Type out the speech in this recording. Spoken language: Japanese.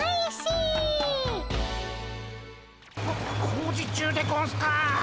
こ工事中でゴンスか。